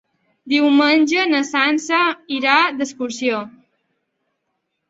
Diumenge na Sança irà d'excursió.